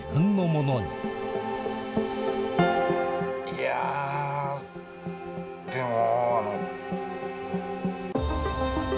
いやでも。